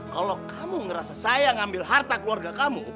kalau kamu ngerasa saya ngambil harta keluarga kamu